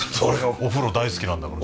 お風呂大好きなんだから。